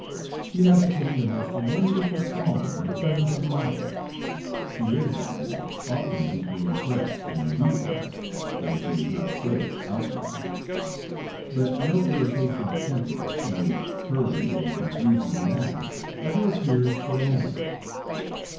She has attained a most wonderful calm and presence of mind. She is, I think, often deeply impressed, and depressed, though she does not show it outwardly, but no irritation of temper, no hurry or confusion of manner, ever appears for a moment."